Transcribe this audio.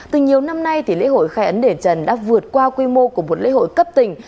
từ nhiều năm nay lễ hội khai ấn đền trần đã vượt qua quy mô của một lễ hội cấp tỉnh